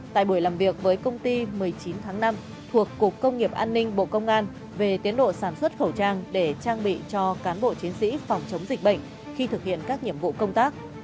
tại buổi làm việc với công ty một mươi chín tháng năm thuộc cục công nghiệp an ninh bộ công an về tiến độ sản xuất khẩu trang để trang bị cho cán bộ chiến sĩ phòng chống dịch bệnh khi thực hiện các nhiệm vụ công tác